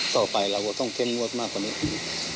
ต่อไปเราก็ต้องเข้มงวดมากกว่านี้อีก